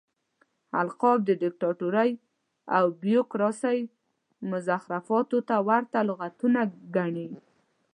القاب د ديکتاتورۍ او بيروکراسۍ مزخرفاتو ته ورته لغتونه ګڼي.